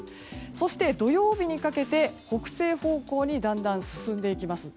そして、土曜日にかけて北西方向にだんだん進んでいきます。